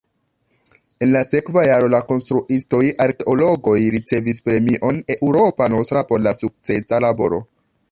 En la sekva jaro la konstruistoj-arkeologoj ricevis premion Europa Nostra por la sukcesa laboro.